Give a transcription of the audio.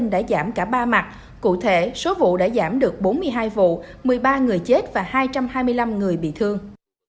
đã giảm cả ba mặt cụ thể số vụ đã giảm được bốn mươi hai vụ một mươi ba người chết và hai trăm hai mươi năm người bị thương